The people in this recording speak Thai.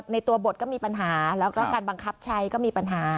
ในตัวบทก็มีปัญหาแล้วก็การบังคับใช้ก็มีปัญหา